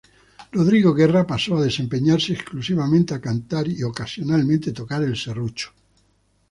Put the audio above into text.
Rodrigo Guerra pasó a desempeñarse exclusivamente a cantar y ocasionalmente tocar el serrucho.